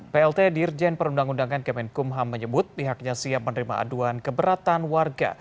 plt dirjen perundang undangan kemenkumham menyebut pihaknya siap menerima aduan keberatan warga